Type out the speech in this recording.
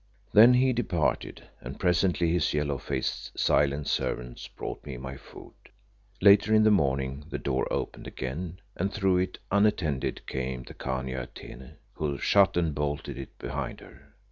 Then he departed, and presently his yellow faced, silent servants brought me my food. Later in the morning the door opened again, and through it, unattended, came the Khania Atene, who shut and bolted it behind her.